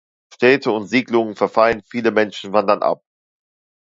Städte und Siedlungen verfallen; viele Menschen wandern ab.